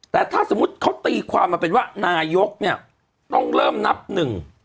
แต่ถ้าสมมุติเขาตีความมาเป็นว่านายกเนี่ยต้องเริ่มนับหนึ่ง